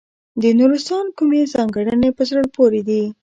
د نورستان کومې ځانګړنې په زړه پورې دي.